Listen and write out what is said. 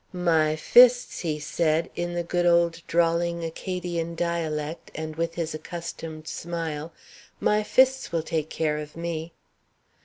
"My fists," he said, in the good old drawling Acadian dialect and with his accustomed smile, "my fists will take care of me."